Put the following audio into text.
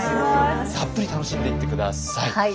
たっぷり楽しんでいって下さい。